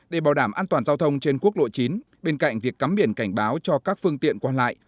để bảo đảm an toàn giao thông trên quốc lộ chín bên cạnh việc cắm biển cảnh báo cho các phương tiện qua lại